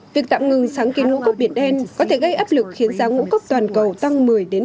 việc tạm ngừng sáng kiến ngũ cốc biển đen có thể gây áp lực khiến giá ngũ cốc toàn cầu tăng một mươi một mươi